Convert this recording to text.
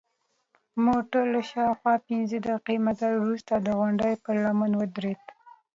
موټر له شاوخوا پنځه دقیقې مزل وروسته د غونډۍ پر لمنه ودرید.